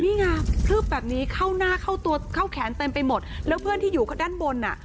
นี่ไงพลึบแบบนี้เข้าหน้าเข้าตัวเข้าแขนเต็มไปหมดแล้วเพื่อนที่อยู่ด้านบนอ่ะ